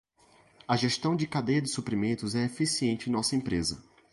A gestão da cadeia de suprimentos é eficiente em nossa empresa.